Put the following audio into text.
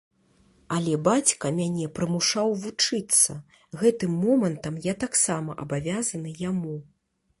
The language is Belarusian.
Але бацька мяне прымушаў вучыцца, гэтым момантам я таксама абавязаны яму.